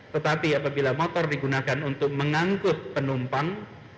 tetapi apabila motor digunakan untuk mengangkut penumpang